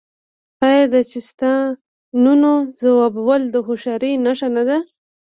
آیا د چیستانونو ځوابول د هوښیارۍ نښه نه ده؟